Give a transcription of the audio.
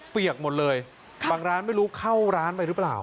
เปียกหมดเลยบางร้านไม่รู้เข้าร้านไปหรือเปล่า